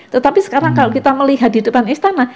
tetapi sekarang kalau kita melihat di depan istana